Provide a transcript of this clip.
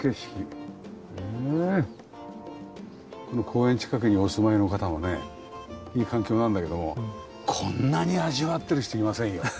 この公園近くにお住まいの方もねいい環境なんだけどもこんなに味わってる人いませんよ。